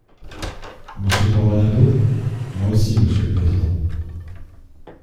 Monsieur Coronado ? Moi aussi, monsieur le président.